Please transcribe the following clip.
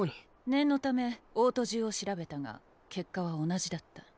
念のため王都中を調べたが結果は同じだった。